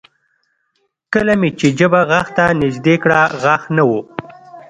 کله مې چې ژبه غاښ ته نږدې کړه غاښ نه و